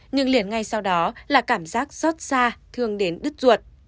nhưng liền ngay sau đó là cảm giác xót xa thương đến đứt ruột